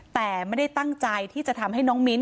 แต่ไม่ได้ตั้งใจที่จะทำให้น้องมิ้นท